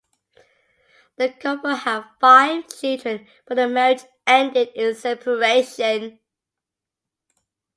The couple had five children, but the marriage ended in separation.